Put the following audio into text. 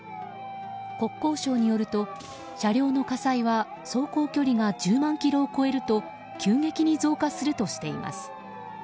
国交省によると、車両の火災は走行距離が１０万ｋｍを超えると急激に増加するとしています。